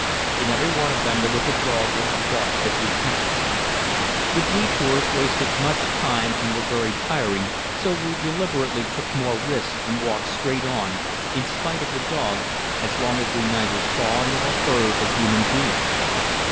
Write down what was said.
In every one of them there was a dog which barked as we passed. The detours wasted much time and were very tiring, so we deliberately took more risks and walked straight on, in spite of the dogs, as long as we neither saw nor heard a human being.